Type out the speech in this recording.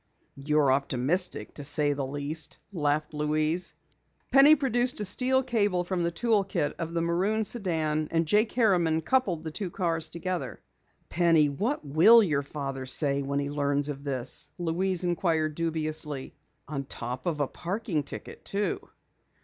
"You're optimistic, to say the least," laughed Louise. Penny produced a steel cable from the tool kit of the maroon sedan, and Jake Harriman coupled the two cars together. "Penny, what will your father say when he learns of this?" Louise inquired dubiously. "On top of a parking ticket, too!"